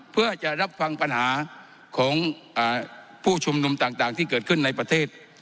เพื่อจะรับฟังปัญหาของผู้ชุมนุมต่างที่เกิดขึ้นในประเทศ